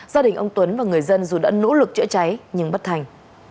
gia đình ông tuấn và người dân dù đã nỗ lực chữa cháy nhưng bất thành